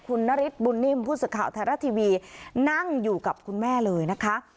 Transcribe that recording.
คุณนฤทธิบุญนิ่มผู้สื่อข่าวไทยรัฐทีวีนั่งอยู่กับคุณแม่เลยนะคะ